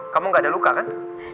kamu gak ada luka kan